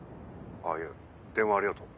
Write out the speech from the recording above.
あっいや電話ありがとう。